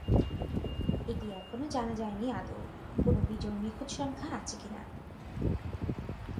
এটি এখনও জানা যায়নি আদৌ কোনো বিজোড় নিখুঁত সংখ্যা আছে কিনা।